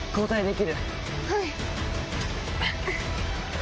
はい。